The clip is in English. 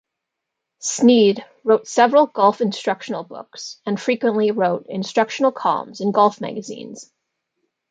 Snead wrote several golf instructional books, and frequently wrote instructional columns in golf magazines.